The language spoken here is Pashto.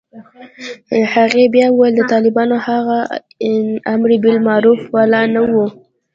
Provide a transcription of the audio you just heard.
هغې بيا وويل د طالبانو هغه امربالمعروف والا نه و.